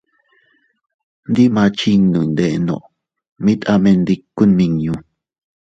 Ndi ma chinno ndenno, mit a mendiku nmiñu.